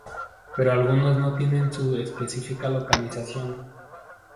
Pero algunos no tienen su específica localización.